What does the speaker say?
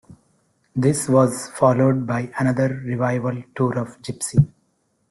This was followed by another revival tour of "Gypsy".